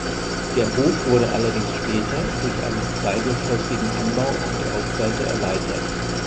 Der Hof wurde allerdings später durch einen zweigeschossigen Anbau auf der Ostseite erweitert.